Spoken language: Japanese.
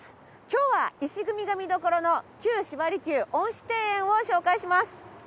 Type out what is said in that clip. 今日は石組みが見どころの旧芝離宮恩賜庭園を紹介します。